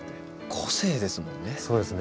個性ですもんね。